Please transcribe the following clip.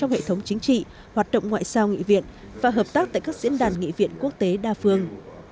hệ thống chính trị hoạt động ngoại sao nghị viện và hợp tác tại các diễn đàn nghị viện quốc tế đa phương